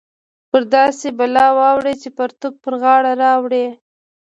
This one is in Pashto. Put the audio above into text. پر داسې بلا واوړې چې پرتوګ پر غاړه راوړې